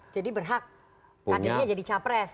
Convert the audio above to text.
jadi berhak kadernya jadi capres